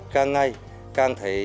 càng ngày càng thấy